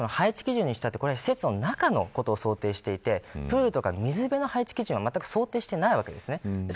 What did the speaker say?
だけど配置基準にしたって施設の中を想定していてプールとか水辺の配置基準はまったく想定してないわけです。